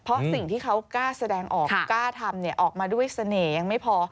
เพราะสิ่งที่เขากล้าแสดงออกกล้าทำออกมาด้วยเสน่ห์ยังไม่พอ